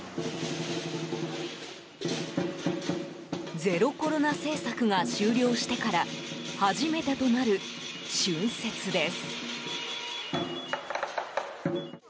ゼロコロナ政策が終了してから初めてとなる春節です。